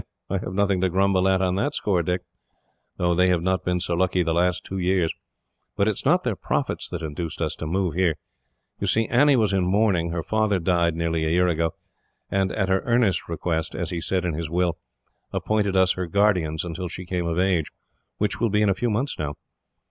"I have nothing to grumble at, on that score, Dick, though they have not been so lucky the last two years. But it is not their profits that induced us to move here. You saw Annie was in mourning. Her father died, nearly a year ago, and at her earnest request, as he said in his will, appointed us her guardians until she came of age, which will be in a few months now.